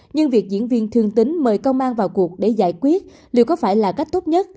nhưng việc diễn viên thương tính mời công an vào cuộc để giải quyết liệu có phải là cách tốt nhất